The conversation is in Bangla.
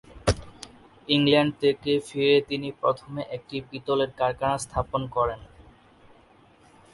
ইংল্যান্ড থেকে ফিরে তিনি প্রথমে একটি পিতলের কারখানা স্থাপন করেন।